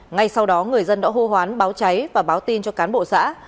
ngay sau đó người dân đã hô hoán báo cháy và báo tin cho cán bộ xã